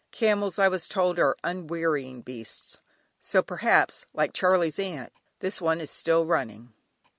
Camels, I was told, are unwearying beasts, so perhaps, like "Charley's Aunt" this one is still running.